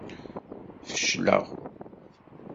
Fecleɣ.